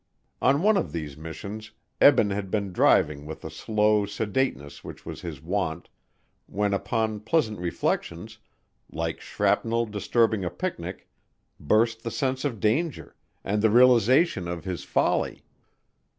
On one of these missions Eben had been driving with the slow sedateness which was his wont, when upon pleasant reflections, like shrapnel disturbing a picnic, burst the sense of danger, and the realization of his folly.